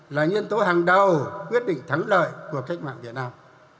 là nhân tố hàng đầu quyết định thắng lợi của cách mạng việt nam